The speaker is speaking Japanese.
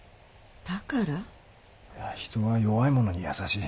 人は弱いものに優しい。